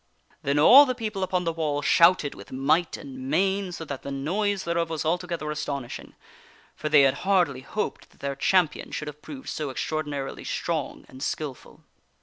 Then all the people upon the wall shouted with might and main, so that the noise thereof was altogether astonishing ; for they had hardly hoped that their champion should have proved so extraordinarily strong and skilful.